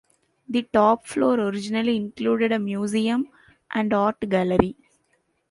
The top floor originally included a museum and art gallery.